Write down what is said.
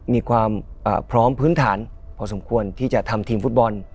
มีความพร้อมพื้นฐานพอสมควรที่จะทำทีมฟุตบอล